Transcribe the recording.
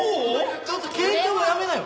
ちょっと喧嘩はやめなよ。